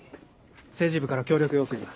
政治部から協力要請だ。